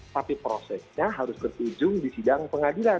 tapi prosesnya harus bertujung di sidang pengadilan